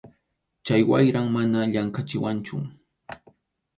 Chay wayram mana llamkʼachiwanchu.